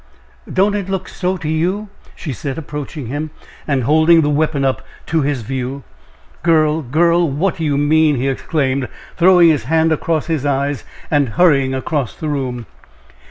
don't it look so to you?" she said, approaching him, and holding the weapon up to his view. "Girl! girl! what do you mean?" he exclaimed, throwing his hand across his eyes, and hurrying across the room.